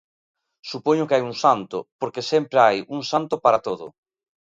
Supoño que hai un santo, porque sempre hai un santo para todo.